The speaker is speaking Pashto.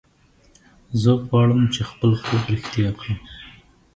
زه غواړم چې خپل خوب رښتیا کړم